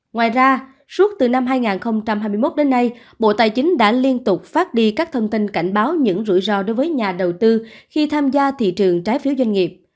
ngoài ra suốt từ năm hai nghìn hai mươi một đến nay bộ tài chính đã liên tục phát đi các thông tin cảnh báo những rủi ro đối với nhà đầu tư khi tham gia thị trường trái phiếu doanh nghiệp